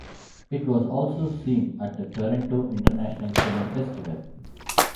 It was also seen at the Toronto International Film Festival.